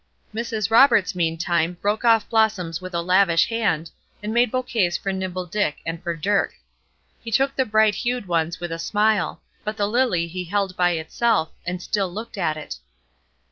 Mrs. Roberts, meantime, broke off blossoms with lavish hand, and made bouquets for Nimble Dick and for Dirk. He took the bright hued ones with a smile, but the lily he held by itself, and still looked at it.